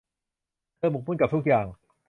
เธอหมกมุ่นกับทุกอย่าง